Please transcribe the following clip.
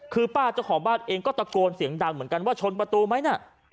คือป้าเจ้าของบ้านเองก็ตะโกนเสียงดังเหมือนกันว่าชนประตูไหมน่ะ